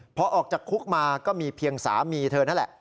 พอออกจากคุกมาก็มีเพียงสามีเธอนั่นแหละ